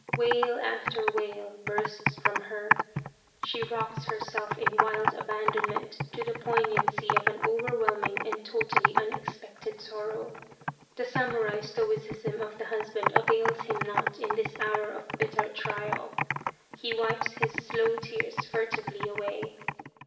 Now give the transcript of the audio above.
Wail after wail bursts from her. She rocks herself in wild abandonment to the poignancy of an overwhelming and totally unexpected sorrow. The samurai stoicism of the husband avails him not in this hour of bitter trial. He wipes his slow tears furtively away.